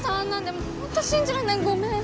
もうホント信じらんないごめん。